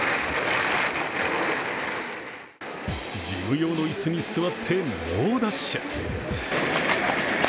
事務用の椅子に座って猛ダッシュ。